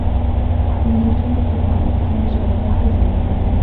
ملتونو پر پراختیا ژورې اغېزې وښندلې.